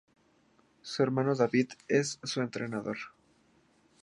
Su hermano David es su entrenador.